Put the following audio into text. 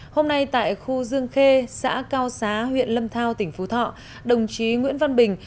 hôm nay tại khu dương khê xã cao xá huyện lâm thao tỉnh phú thọ đồng chí nguyễn văn bình